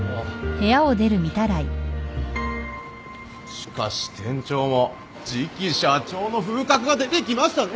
しかし店長も次期社長の風格が出てきましたね！